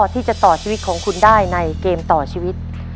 ที่จะต่อชีวิตของคุณได้ในเกมต่อชีวิต